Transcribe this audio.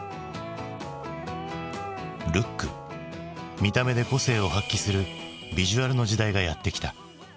見た目で個性を発揮するビジュアルの時代がやってきた。